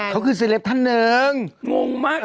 เขาคือเสร็จท่านหนึ่งงงมากนี่